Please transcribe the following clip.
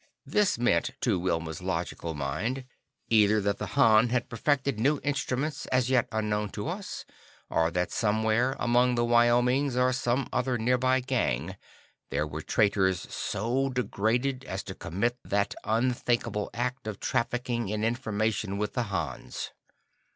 This meant, to Wilma's logical mind, either that the Hans had perfected new instruments as yet unknown to us, or that somewhere, among the Wyomings or some other nearby gang, there were traitors so degraded as to commit that unthinkable act of trafficking in information with the Hans.